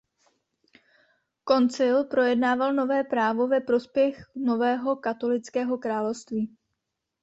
Koncil projednával nové právo ve prospěch nového katolického království.